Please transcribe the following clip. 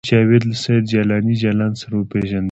جاوید له سید جلاني جلان سره وپېژندل